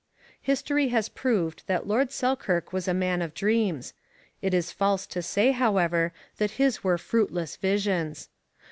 History has proved that Lord Selkirk was a man of dreams; it is false to say, however, that his were fruitless visions.